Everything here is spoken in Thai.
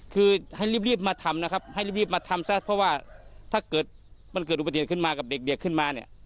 คือให้รีบมาทำนะครับให้รีบมาทำซะเพราะว่าถ้าเกิดมันเกิดอุบัติเหตุขึ้นมากับเด็กขึ้นมาเนี่ย